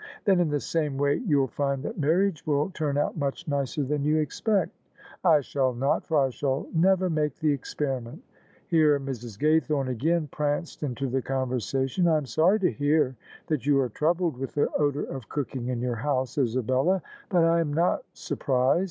" Then in the same way you'll find that marriage will turn out much nicer than you expect." " I shall not: for I shall never make the experiment." Here Mrs. Gaythome again pranced into the conversa tion. " I am sorry to hear that you are troubled with the odour of cooking in your house, Isabella: but I am not sur prised.